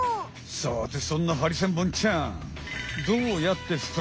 さてそんなハリセンボンちゃん。